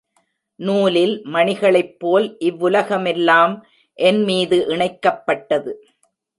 நூலில் மணிகளைப் போல் இவ்வுலகமெல்லாம் என் மீது இணைக்கப்பட்டது.